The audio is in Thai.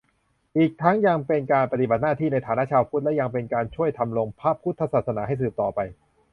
อีกทั้งยังเป็นการปฏิบัติหน้าที่ในฐานะชาวพุทธ และยังเป็นการช่วยธำรงพระพุทธศาสนาให้สืบต่อไป